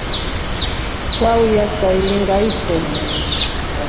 Waiya saailinga ife.